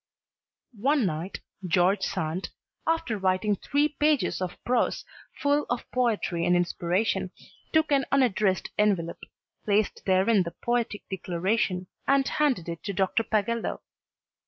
"One night George Sand, after writing three pages of prose full of poetry and inspiration, took an unaddressed envelope, placed therein the poetic declaration, and handed it to Dr. Pagello.